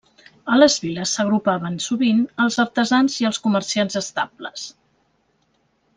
A les viles s'agrupaven sovint els artesans i els comerciants estables.